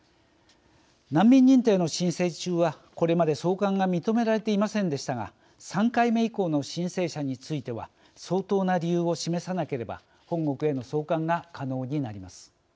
難民認定の申請中はこれまで送還が認められていませんでしたが３回目以降の申請者については相当な理由を示さなければ本国への送還が可能になります。